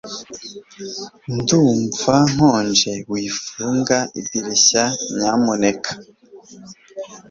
Ndumva nkonje Wafunga idirishya nyamuneka